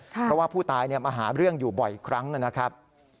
เพราะว่าผู้ตายมาหาเรื่องอยู่บ่อยครั้งนะครับ